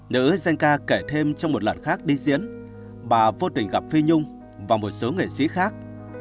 nữ dân ca kể thêm trong một lần khác đi diễn bà vô tình gặp phi nhung và một số nghệ sĩ khác